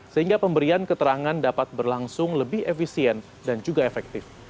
sehingga pemberian keterangan dapat berlangsung lebih efisien dan juga efektif